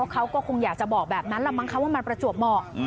เขาก็คงอยากจะบอกแบบนั้นมันประจวบเหมาะ